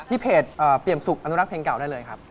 เพจเปรียมสุขอนุรักษ์เพลงเก่าได้เลยครับ